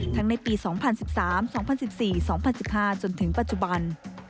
ในปี๒๐๑๓๒๐๑๔๒๐๑๕จนถึงปัจจุบัน